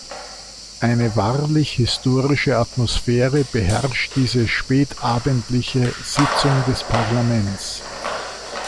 Eine wahrlich historische Atmosphäre beherrscht diese spätabendliche Sitzung des Parlaments.